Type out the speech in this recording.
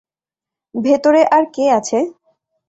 ভেতরে আর কে আছে?